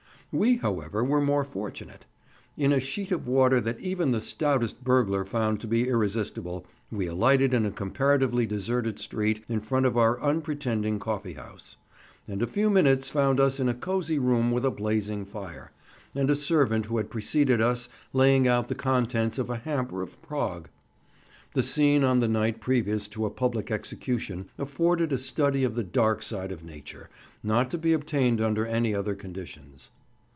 We, however, were more fortunate. In a sheet of water that even the stoutest burglar found to be irresistible, we alighted in a comparatively deserted street in front of our unpretending coffee house; and a few minutes found us in a cosy room with a blazing fire, and a servant who had preceded us laying out the contents of a hamper of prog. The scene on the night previous to a public execution afforded a study of the dark side of nature, not to be obtained under any other conditions.